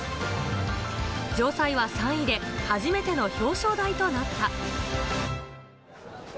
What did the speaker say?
城西は３位で初めての表彰台となった。